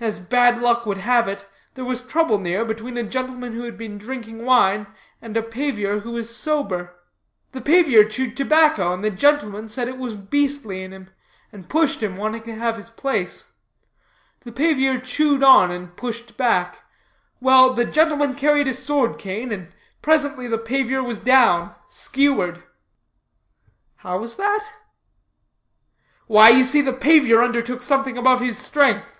As bad luck would have it, there was trouble near, between a gentleman who had been drinking wine, and a pavior who was sober. The pavior chewed tobacco, and the gentleman said it was beastly in him, and pushed him, wanting to have his place. The pavior chewed on and pushed back. Well, the gentleman carried a sword cane, and presently the pavior was down skewered." "How was that?" "Why you see the pavior undertook something above his strength."